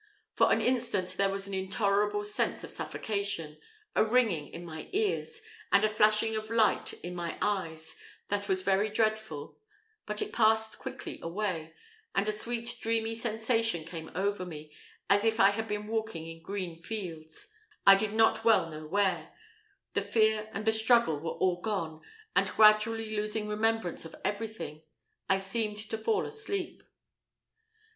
For an instant there was an intolerable sense of suffocation a ringing in my ears, and a flashing of light in my eyes that was very dreadful, but it passed quickly away, and a sweet dreamy sensation came over me, as if I had been walking in green fields, I did not well know where the fear and the struggle were all gone, and, gradually losing remembrance of everything, I seemed to fall asleep.